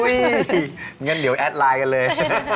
อย่างนั้นเดี๋ยวแอดไลน์กันเลย